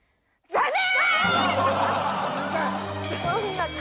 「残念！」